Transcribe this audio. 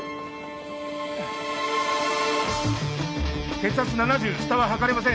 血圧７０下は測れません